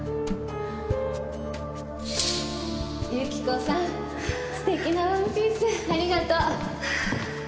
由紀子さん素敵なワンピースありがとう。